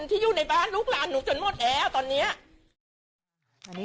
ที่อยู่ในบ้านลูกหลานหนูจนหมดแล้วตอนนี้